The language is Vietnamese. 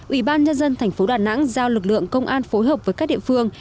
ủy ban nhân dân tp đà nẵng giao lực lượng công an phối hợp với các địa phương